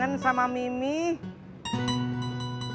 oh seperti itu